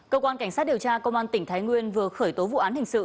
cơ quan cảnh sát điều tra công an tỉnh thái nguyên vừa khởi tố vụ án hình sự